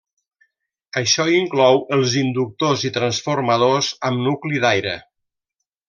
Això inclou els inductors i transformadors amb nucli d'aire.